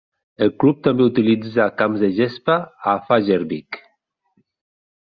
El club també utilitza camps de gespa a Fagervik.